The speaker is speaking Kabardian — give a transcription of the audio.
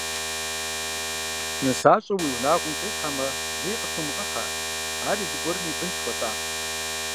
Нысащӏэ уи унагъуэм къихьамэ, лей къытумыгъыхьэ, ари зыгуэрым и бынщ, хуэсакъ.